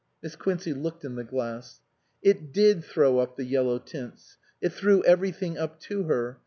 Miss Quincey looked in the glass. It did throw up the yellow tints. It threw everything up to her.